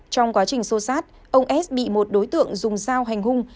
trong quá trình sô sát ông s bị một đối tượng dùng sao hành hung